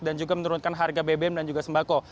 dan juga menurunkan harga bbm dan juga sembako